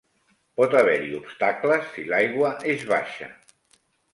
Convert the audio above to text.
Pot haver-hi obstacles si l"aigua és baixa.